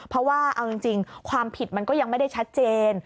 เพราะว่าเอาจริงความผิดมันก็ยังไม่ได้ชัดเจน